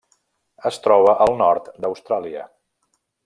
Es troba al nord d'Austràlia.